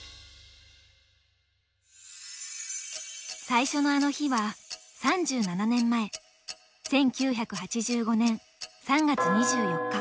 最初のあの日は３７年前１９８５年３月２４日。